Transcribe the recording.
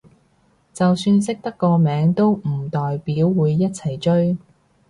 就算識得個名都唔代表會一齊追